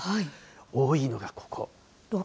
多いのがここ。